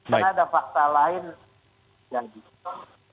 karena ada fakta lain yang gitu